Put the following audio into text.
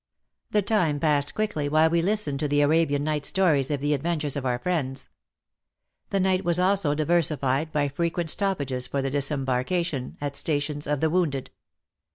The time passed quickly while we listened to the Arabian Night stories of the adventures of our friends. The night was also diversified by frequent stoppages for the disembarkation, at stations, of the wounded.